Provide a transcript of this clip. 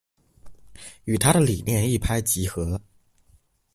與她的理念一拍即合